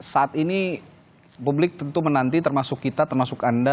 saat ini publik tentu menanti termasuk kita termasuk anda